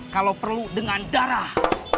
kalau perlu dengan darah